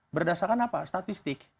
berdasarkan apa statistik